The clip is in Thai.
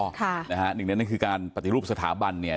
หนึ่งในนั้นคือการปฏิรูปสถาบันเนี่ย